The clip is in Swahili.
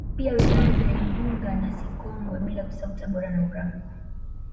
Pia wilaya za Igunga na Sikonge bila kusahau Tabora na Urambo